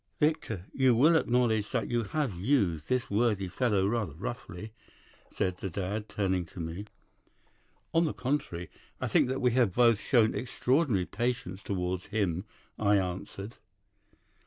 "'"Victor, you will acknowledge that you have used this worthy fellow rather roughly," said the dad, turning to me. "'"On the contrary, I think that we have both shown extraordinary patience towards him," I answered.